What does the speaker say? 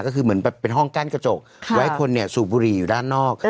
ก็คือเหมือนแบบเป็นห้องกั้นกระจกไว้คนเนี่ยสูบบุหรี่อยู่ด้านนอก